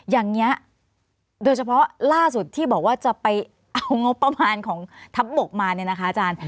อย่างนี้โดยเฉพาะล่าสุดที่บอกว่าจะไปเอางบประมาณของทัพบกมาเนี่ยนะคะอาจารย์